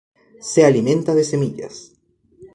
Se alimenta de semillas.